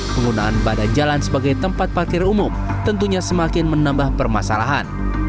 penggunaan badan jalan sebagai tempat parkir umum tentunya semakin menambah permasalahan